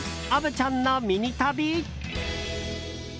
虻ちゃんのミニ旅。